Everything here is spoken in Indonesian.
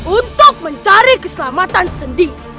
untuk mencari keselamatan sendiri